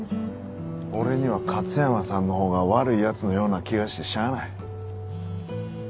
俺には勝山さんのほうが悪い奴のような気がしてしゃあない。